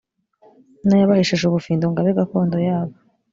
nayabahesheje ubufindo ngo abe gakondo yabo.